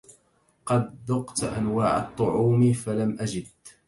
قد ذقت أنواع الطعوم فلم أجد